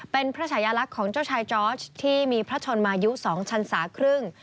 เป็นพระชายลักษณ์ของเจ้าชายจอร์ชที่มีพระชนมายุ๒ชันศาครึ่ง